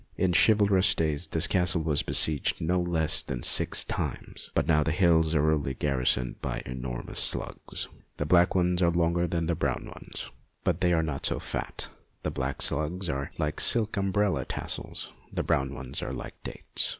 In chivalrous days this castle was besieged no less than six times, but now the hills are only garrisoned by enormous slugs. The black ones are longer than the brown ones, but they are not so fat ; the black slugs are like silk umbrella tassels, the brown ones are like dates.